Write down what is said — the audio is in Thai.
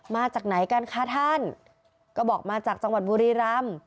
มาจากไหนกันคะท่านก็บอกมาจากจังหวัดบุรีรำ